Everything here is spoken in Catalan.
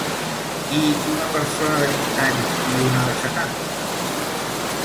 I una persona de vint anys i una de setanta?